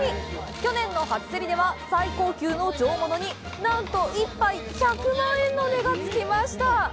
去年の初競りでは、最高級の上物になんと１杯１００万円の値がつきました！